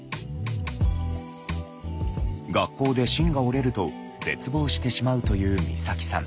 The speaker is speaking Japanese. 学校で芯が折れると絶望してしまうという光沙季さん。